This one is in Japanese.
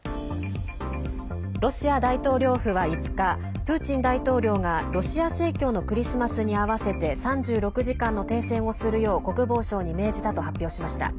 ロシア大統領府は５日プーチン大統領がロシア正教のクリスマスに合わせて３６時間の停戦をするよう国防相に命じたと発表しました。